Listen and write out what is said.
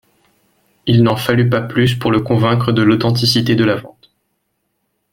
Il n'en fallut pas plus pour le convaincre de l'authenticité de la vente.